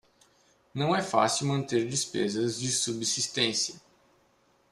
Não é fácil manter despesas de subsistência